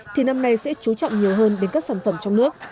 thì năm nay sẽ chú trọng nhiều hơn đến các sản phẩm trong nước